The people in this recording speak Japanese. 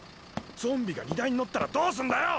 ゾンビが荷台に乗ったらどうすんだよ！